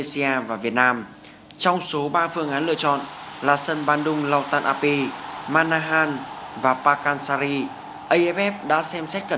xin chào và hẹn gặp lại